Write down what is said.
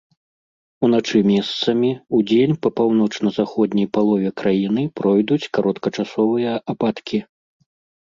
Уначы месцамі, удзень па паўночна-заходняй палове краіны пройдуць кароткачасовыя ападкі.